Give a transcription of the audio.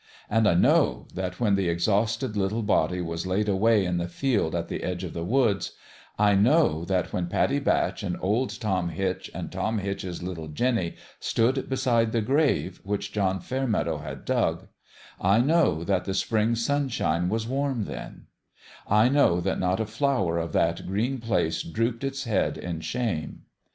And I know that when the exhausted little body was laid away in the field at the edge of the woods I know that when Pattie Batch and old Tom Hitch and Tom Hitch's little Jinny stood beside the grave which John Fairmeadow had dug I know that the spring sunshine was warm then I know that not a flower of that green place drooped its head in shame.